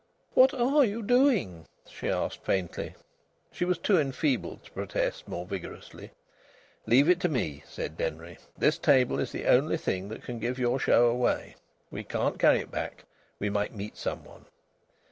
"What are you doing?" she asked faintly. She was too enfeebled to protest more vigorously. "Leave it to me," said Denry. "This table is the only thing that can give your show away. We can't carry it back. We might meet some one."